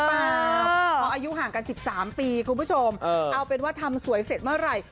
เพราะอายุห่างกัน๑๓ปีคุณผู้ชมเอาเป็นว่าทำสวยเสร็จเมื่อไหร่